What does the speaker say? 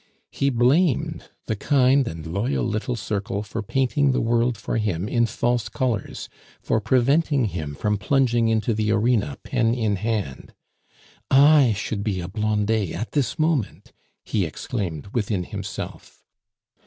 He blamed the kind and loyal little circle for painting the world for him in false colors, for preventing him from plunging into the arena, pen in hand. "I should be a Blondet at this moment!" he exclaimed within himself.